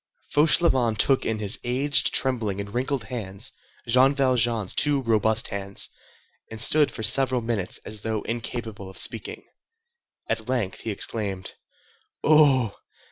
Fauchelevent took in his aged, trembling, and wrinkled hands Jean Valjean's two robust hands, and stood for several minutes as though incapable of speaking. At length he exclaimed:— "Oh!